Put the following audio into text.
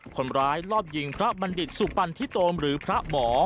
คนร้ายรอบยิงพระบัณฑิตสุปันทิโตมหรือพระหมอ